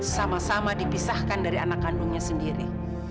sama sama dipisahkan dari anak kandungnya sendiri